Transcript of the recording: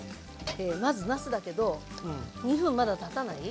まずなすだけど２分まだたたない？